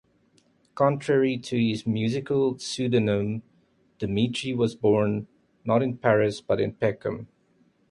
Contrary to his musical pseudonym, Dimitri was born not in Paris but in Peckham.